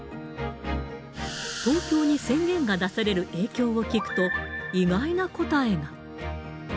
東京に宣言が出される影響を聞くと、意外な答えが。